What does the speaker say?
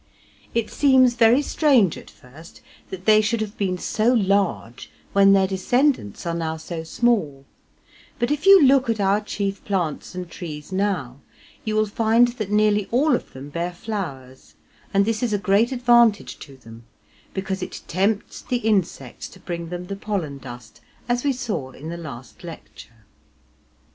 It seems very strange at first that they should have been so large when their descendants are now so small, but if you look at our chief plants and trees now, you will find that nearly all of them bear flowers, and this is a great advantage to them, because it tempts the insects to bring them the pollen dust, as we saw in the last lecture.